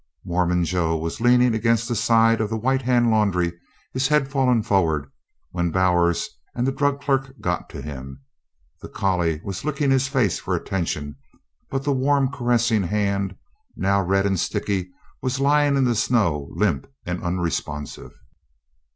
Mormon Joe was leaning against the side of the White Hand Laundry, his head fallen forward, when Bowers and the drug clerk got to him. The collie was licking his face for attention, but the warm caressing hand now red and sticky was lying in the snow, limp and unresponsive.